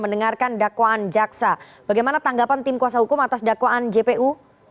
mendengarkan dakwaan jaksa bagaimana tanggapan tim kuasa hukum atas dakwaan jpu